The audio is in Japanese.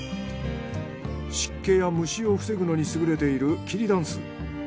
湿気や虫を防ぐのに優れている桐だんす。